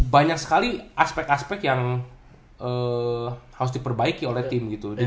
banyak sekali aspek aspek yang harus diperbaiki oleh tim gitu